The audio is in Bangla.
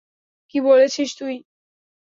কী বলছিস তুই?